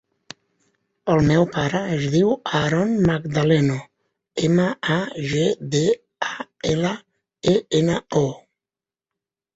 El meu pare es diu Aaron Magdaleno: ema, a, ge, de, a, ela, e, ena, o.